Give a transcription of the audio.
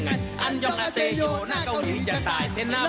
กุกกี้ตาจ๊ะแมทตาคืนลิจชันรีสแมทชี่ยอฟรีสปลาดัมพานามะ